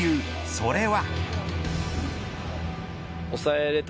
それは。